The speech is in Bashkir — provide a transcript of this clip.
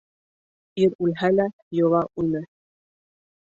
Ир үлһә лә, йола үлмәҫ.